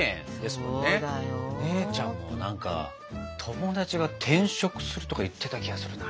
姉ちゃんも何か友達が転職するとか言ってた気がするな。